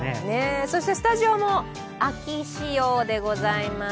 スタジオも秋仕様でございます。